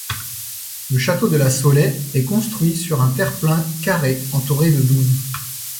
Le château de La Saulaie est construit sur un terre-plein carré entouré de douves.